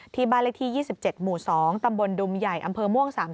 ที่บ้านเลขที่๒๗หมู่๒ตำบลดุมใหญ่อำเภอม่วง๓๐